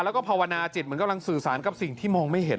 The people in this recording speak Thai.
แล้วก็ภาวนาจิตเหมือนกำลังสื่อสารกับสิ่งที่มองไม่เห็น